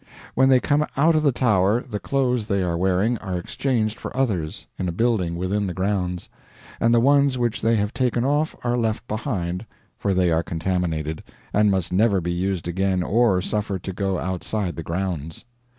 When they come out of the Tower the clothes they are wearing are exchanged for others, in a building within the grounds, and the ones which they have taken off are left behind, for they are contaminated, and must never be used again or suffered to go outside the grounds.